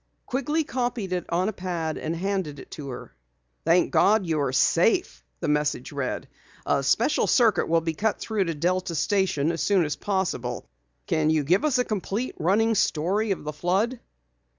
Quigley copied it on a pad and handed it to her. "Thank God you are safe," the message read. "A special circuit will be cut through to the Delta station as soon as possible. Can you give us a complete, running story of the flood?"